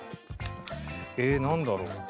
えっなんだろう？